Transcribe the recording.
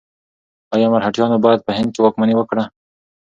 ایا مرهټیانو بیا په هند واکمني وکړه؟